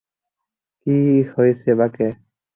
কি হইসে বাকে?